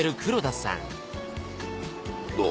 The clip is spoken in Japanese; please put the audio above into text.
どう？